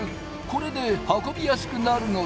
これで運びやすくなるのだ。